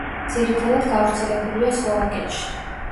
ძირითადად გავრცელებულია სლოვაკეთში.